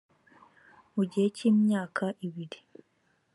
mu gihe cy imyaka ibiri